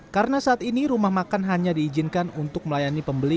karena saat ini rumah makan hanya diizinkan untuk melayani pembeli